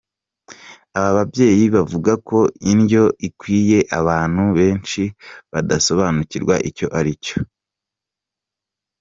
Aba babyeyi bavuga ko indyo ikwiye abantu benshi badasobanukirwa icyo ari cyo.